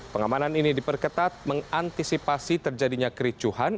pengamanan ini diperketat mengantisipasi terjadinya kericuhan